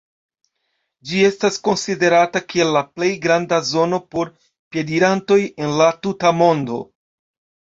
Ĝi estas konsiderata kiel la plej granda zono por piedirantoj en la tuta mondo.